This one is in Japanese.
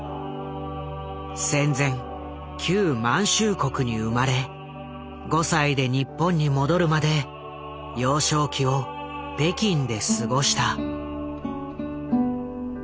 戦前旧満州国に生まれ５歳で日本に戻るまで幼少期を北京で過ごした。